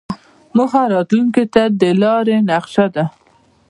موخه راتلونکې ته د لارې نقشه ده.